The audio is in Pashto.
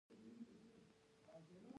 ایا ستاسو غوسه کنټرول نه ده؟